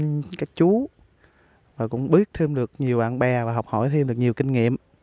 các anh các chú cũng biết thêm được nhiều bạn bè và học hỏi thêm được nhiều kinh nghiệm